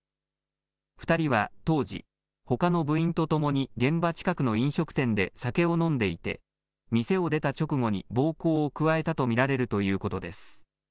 ２人は当時、ほかの部員と共に現場近くの飲食店で酒を飲んでいて、店を出た直後に暴行を加えたと見られるということです。